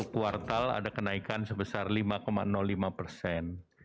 kuartal ada kenaikan sebesar lima lima persen